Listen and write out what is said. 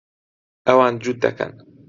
ئەوان جووت دەکەن.